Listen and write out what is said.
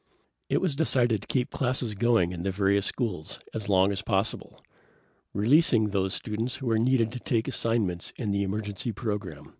It was decided to keep classes going in the various schools as long as possible, releasing those students who were needed to take assignments in the emergency program.